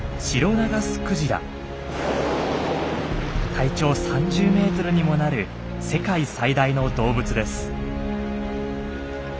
体長３０メートルにもなる世界最大の動物です。